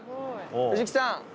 藤木さん